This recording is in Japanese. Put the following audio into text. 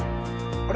あれ？